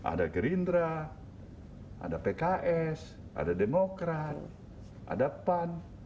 ada gerindra ada pks ada demokrat ada pan